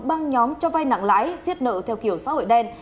băng nhóm cho vai nặng lãi giết nợ theo kiểu xã hội đen